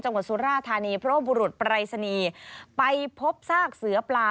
จังหวัดสุราธานีพระบุรุษปลายสนีไปพบซากเสือปลา